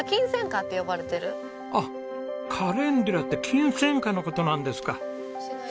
あっカレンデュラってキンセンカの事なんですか。